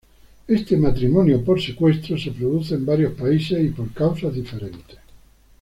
Este "matrimonio por secuestro" se produce en varios países y por causas diferentes.